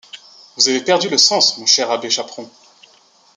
Vous avez perdu le sens, mon cher abbé Chaperon.